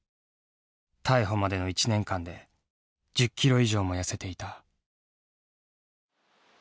逮捕までの１年間で１０キロ以上も痩せていた。